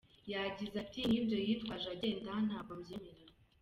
Yagize ati “Nibyo yitwaje agenda ntabwo mbyemera.